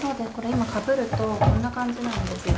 今かぶると、こんな感じになるんですよ。